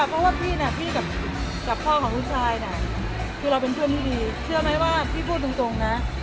เพราะว่าพี่เนี่ยพี่กับพ่อของลูกชายน่ะคือเราเป็นเพื่อนที่ดีเชื่อไหมว่าพี่พูดตรงนะ